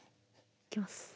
いきます。